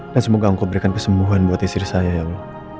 dan semoga engkau berikan kesembuhan buat istri saya ya allah